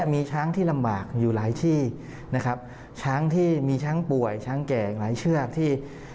มีช้างที่ลำบากอยู่หลายที่นะครับช้างที่มีช้างป่วยช้างแก่อีกหลายเชือกที่